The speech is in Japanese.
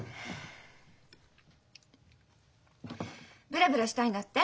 ブラブラしたいんだって？